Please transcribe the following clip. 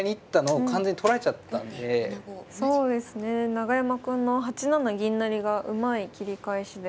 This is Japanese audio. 永山くんの８七銀成がうまい切り返しで。